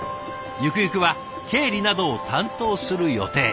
ゆくゆくは経理などを担当する予定。